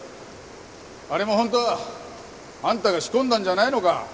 あれも本当はあんたが仕込んだんじゃないのか？